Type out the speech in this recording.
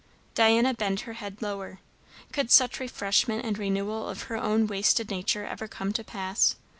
'" Diana bent her head lower. Could such refreshment and renewal of her own wasted nature ever come to pass?